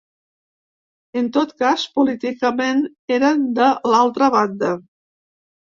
En tot cas, políticament eren de l'altra banda